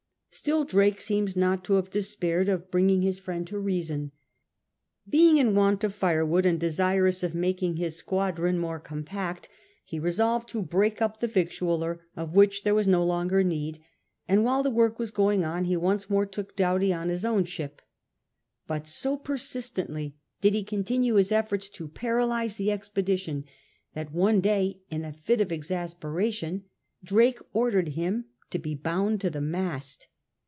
Still Drake seems not to have despaired of bringing his friend to reason. Being in want of firewood, and desirous of making his squadron 70 SIR FRANCIS DRAKE CHAP. more compact, he resolved to break up the victualler, of which there was no longer need ; and while the work was going on he once more took Doughty on his own ship. But so persistently did he continue his efforts to paralyse the expedition, that one day in a fit of exasperation Drake . ordered him to be bound to the mast.